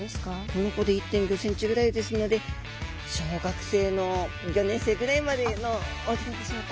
この子で１．５センチぐらいですので小学生の５年生ぐらいまでの大きさでしょうか。